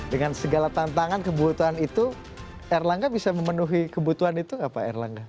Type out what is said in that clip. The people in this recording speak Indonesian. dengan segala tantangan kebutuhan itu erlangga bisa memenuhi kebutuhan itu nggak pak erlangga